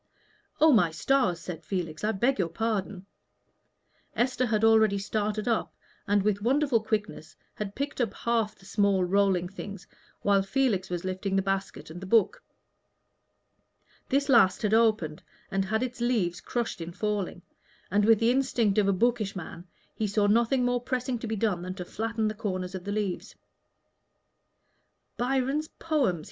"Oh, my stars!" said Felix, "I beg your pardon." Esther had already started up, and with wonderful quickness had picked up half the small rolling things while Felix was lifting the basket and the book. This last had opened, and had its leaves crushed in falling; and, with the instinct of a bookish man, he saw nothing more pressing to be done than to flatten the corners of the leaves. "Byron's Poems!"